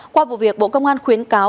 qua vụ việc bộ công an khuyến cáo